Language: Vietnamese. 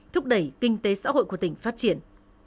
thúc đẩy kinh tế xã hội của tỉnh phát triển